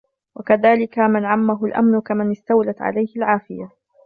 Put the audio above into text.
وَكَذَلِكَ مَنْ عَمَّهُ الْأَمْنُ كَمَنْ اسْتَوْلَتْ عَلَيْهِ الْعَافِيَةُ